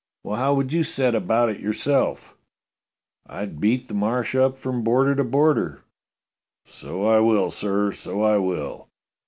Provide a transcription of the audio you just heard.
"Well, how would you set about it yourself? " "I'd beat the Marsh up from border to border." " So I will, sir, so I will